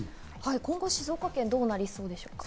今後、静岡県はどうなりそうでしょうか？